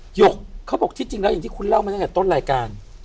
หยกเขาบอกที่จริงแล้วอย่างที่คุณเล่ามาตั้งแต่ต้นรายการ